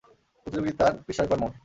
প্রতিযোগিতার বিষ্ময়কর মোড়!